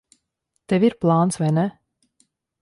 Tev ir plāns, vai ne?